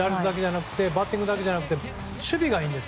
バッティングだけじゃなくて守備がいいんです。